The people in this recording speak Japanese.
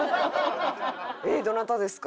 えっどなたですか？